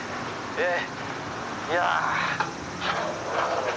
ええ。